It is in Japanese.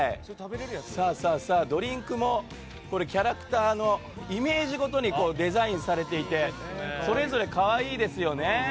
ドリンクもキャラクターのイメージごとにデザインされていてそれぞれ可愛いですよね。